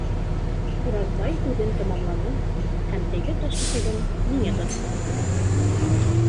Уразбай һүҙен тамамланы һәм теге таш киҫәген миңә тотторҙо.